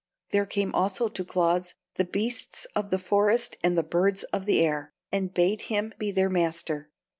There came also to Claus the beasts of the forest and the birds of the air, and bade him be their master.